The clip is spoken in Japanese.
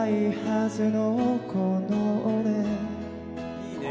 いいねえ。